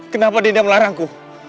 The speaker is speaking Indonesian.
kenapa dinda melarangku